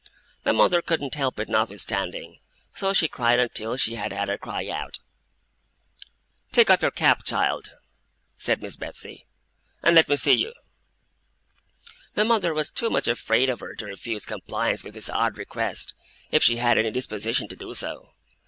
My mother couldn't help it notwithstanding, so she cried until she had had her cry out. 'Take off your cap, child,' said Miss Betsey, 'and let me see you.' My mother was too much afraid of her to refuse compliance with this odd request, if she had any disposition to do so.